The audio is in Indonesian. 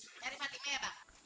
nyari patimah ya bang